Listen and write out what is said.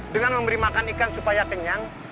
dengan memberi makan ikan supaya kenyang